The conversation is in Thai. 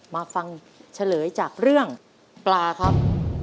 มาฟังเฉลยจากเรื่องปลาครับ